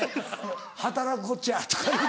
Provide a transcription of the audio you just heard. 「働くこっちゃ」とか言うて。